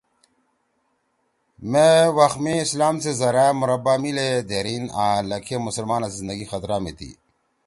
”مے وخ می اسلام سی زرأ مربع میِل ئے دھیریِن آں لکھے مسلمانا سی زندگی خطرہ می تھی